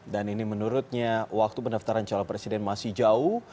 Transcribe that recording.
dan ini menurutnya waktu pendaftaran calon presiden masih jauh